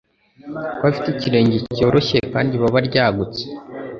Ko afite ikirenge cyoroshye kandi ibaba ryagutse